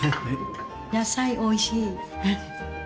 野菜おいしい。